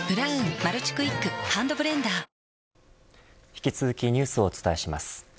引き続きニュースをお伝えします。